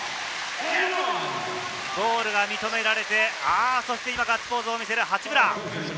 ゴールが認められて、ガッツポーズを見せる八村。